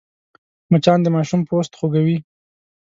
مچان د ماشوم پوست خوږوي